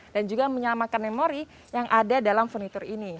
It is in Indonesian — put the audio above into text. dan juga menyelamatkan memori yang ada dalam furnitur ini